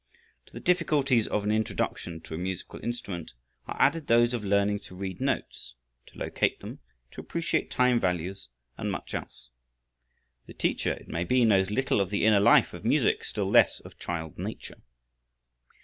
To the difficulties of an introduction to a musical instrument are added those of learning to read notes, to locate them, to appreciate time values and much else. The teacher, it may be, knows little of the inner life of music, still less of child nature.